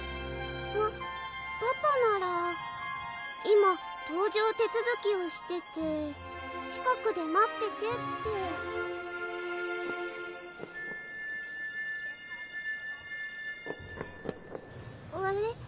あっパパなら今搭乗手つづきをしてて近くで待っててってあれ？